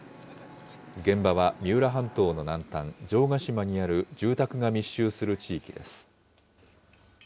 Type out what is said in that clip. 現場は三浦半島の南端、城ヶ島にある住宅が密集する地域です。